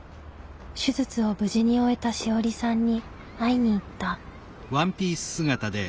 手術を無事に終えた志織さんに会いに行った。